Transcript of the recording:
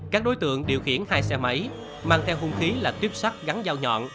các đối tượng điều khiển hai xe máy mang theo hung khí là tuyếp sắt gắn dao nhọn